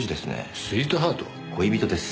恋人です。